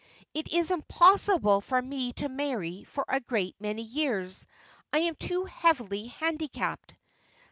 "It is impossible for me to marry for a great many years. I am too heavily handicapped."